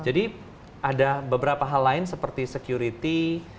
jadi ada beberapa hal lain seperti security